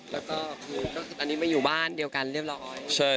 แล้วก็คือตอนนี้มาอยู่บ้านเดียวกันเรียบร้อย